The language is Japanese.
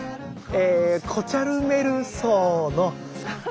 えコチャルメルソウの。